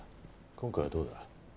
今回はどうだ？